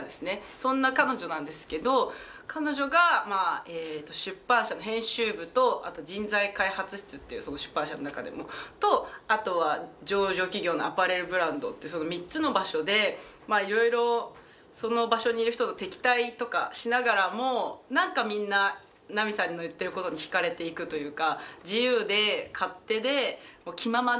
そんな彼女なんですけど彼女が出版社の編集部とあと人材開発室っていうその出版社の中でのとあとは上場企業のアパレルブランドってその３つの場所でいろいろその場所にいる人と敵対とかしながらも何かみんな奈美さんの言っていることに惹かれていくというか。